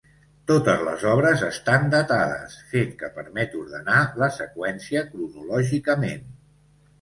Totes les obres estan datades, fet que permet ordenar la seqüència cronològicament.